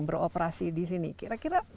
beroperasi di sini kira kira